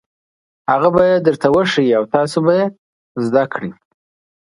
هغه به یې درته وښيي او تاسو به یې زده کړئ.